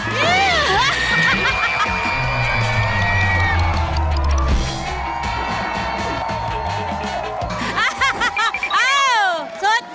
เร็ว